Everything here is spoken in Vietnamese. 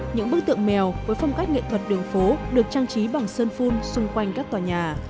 những bức tượng mèo với phong cách nghệ thuật đường phố được trang trí bằng sơn phun xung quanh các tòa nhà